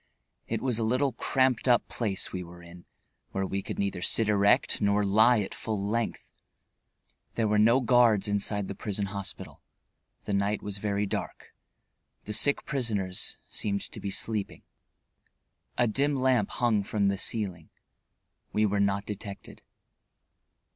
It was a little cramped up place we were in, where we could neither sit erect nor lie at full length. There were no guards inside the prison hospital; the night was very dark; the sick prisoners seemed to be sleeping. A dim lamp hung from the ceiling. We were not detected.